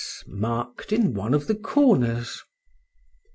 marked in one of the corners.